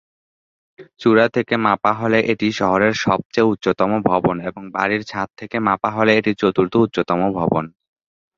চূড়া থেকে মাপা হলে এটি শহরের সবচেয়ে উচ্চতম ভবন এবং বাড়ির ছাদ থেকে মাপা হলে এটি চতুর্থ উচ্চতম ভবন।